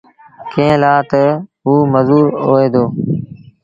ڪݩهݩ لآ تا اوٚ مزوٚر هوئي دو